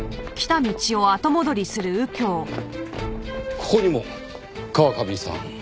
ここにも川上さん。